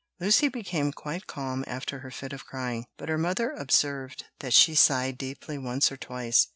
Lucy became quite calm after her fit of crying, but her mother observed that she sighed deeply once or twice.